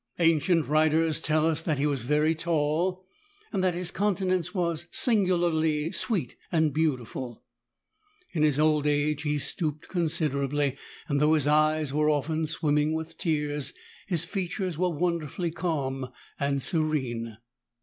Ancient wTiters tell us that he was very tall, and that his countenance was singularly sweet and beautiful. In his old age he stooped considerably, and though his eyes were often swimming with tears his features were wonderfully calm and serene.